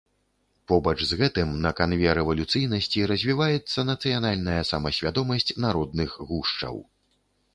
Побач з гэтым, на канве рэвалюцыйнасці, развіваецца нацыянальная самасвядомасць народных гушчаў.